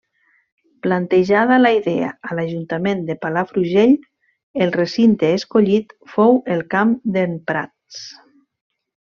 Plantejada la idea a l’ajuntament de Palafrugell el recinte escollit fou el Camp d’en Prats.